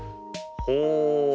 ほう。